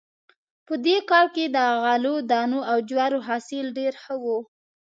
په دې کال کې د غلو دانو او جوارو حاصل ډېر ښه و